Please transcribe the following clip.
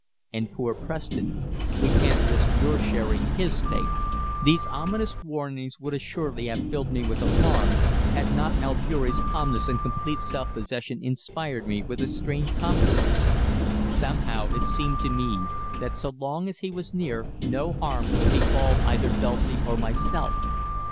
And poor Preston we can't risk your sharing his fate." These ominous warnings would assuredly have filled me with alarm, had not Albeury's calmness and complete self possession inspired me with a strange confidence. Somehow it seemed to me that so long as he was near no harm could befall either Dulcie or myself.